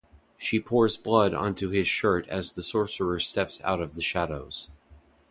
She pours blood onto his shirt as the sorcerer steps out of the shadows.